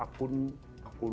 akun akun akun